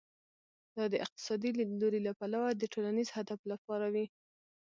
دا د اقتصادي لیدلوري له پلوه د ټولنیز هدف لپاره وي.